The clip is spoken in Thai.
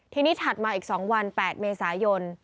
ทีนี้ถัดมาอีก๒วัน๘เมษายน